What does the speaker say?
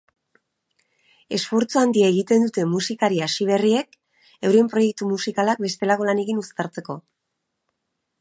Esfortzu handia egiten dute musikari hasi berriek euren proiektu musikalak bestelako lanekin uztartzeko.